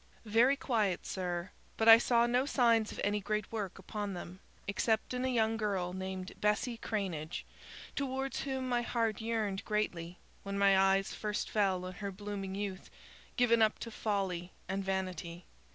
"Very quiet, sir, but I saw no signs of any great work upon them, except in a young girl named Bessy Cranage, towards whom my heart yearned greatly, when my eyes first fell on her blooming youth, given up to folly and vanity.